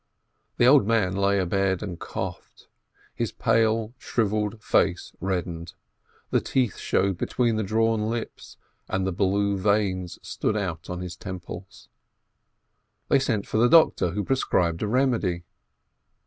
The old man lay abed and coughed, his pale, shrivelled face reddened, the teeth showed between the drawn lips, and the blue veins stood out on his temples. They sent for the doctor, who prescribed a remedy.